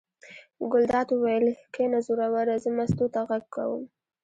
ګلداد وویل: کېنه زوروره زه مستو ته غږ کوم.